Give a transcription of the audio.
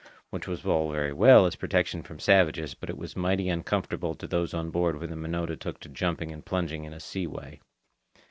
Which was all very well as a protection from savages, but it was mighty uncomfortable to those on board when the Minota took to jumping and plunging in a sea way.